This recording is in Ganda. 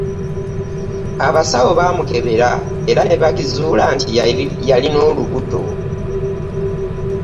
Abasawo bamukebera era ne bakizuula nti yalina olubuto.